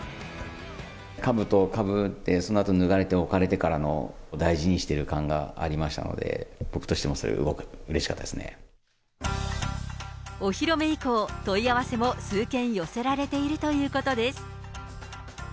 かぶとをかぶって、そのあと脱がれて、置かれてからの、大事にしている感がありましたので、僕としてもそれはすごくうれお披露目以降、問い合わせも数件寄せられているということです。